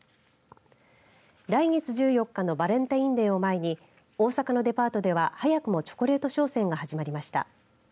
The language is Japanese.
来月１４日のバレンタインデーを前に大阪のデパートでは、早くもチョコレート商戦が始まりました。